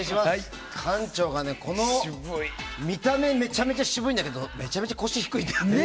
館長が見た目めちゃめちゃ渋いけどめちゃくちゃ腰が低いんだよ。